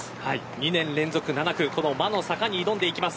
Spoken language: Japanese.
２年連続７区魔の坂に挑んでいきます。